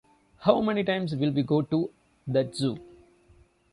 How many times will we go to that zoo?